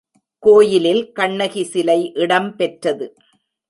கோயிலில் கண்ணகி சிலை இடம் பெற்றது.